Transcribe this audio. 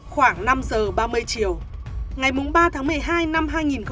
khoảng năm giờ ba mươi chiều ngày ba tháng một mươi hai năm hai nghìn một mươi chín